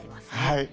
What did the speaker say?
はい。